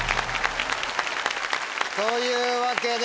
というわけで。